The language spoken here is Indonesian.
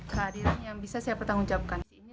kehadiran yang bisa saya pertanggungjawabkan